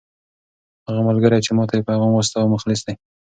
هغه ملګری چې ما ته یې پیغام واستاوه مخلص دی.